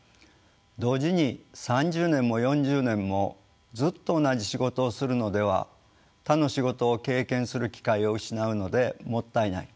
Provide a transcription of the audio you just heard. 同時に３０年も４０年もずっと同じ仕事をするのでは他の仕事を経験する機会を失うのでもったいない。